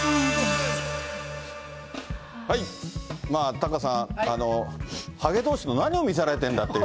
タカさん、はげどうしの何を見せられてるんだっていう。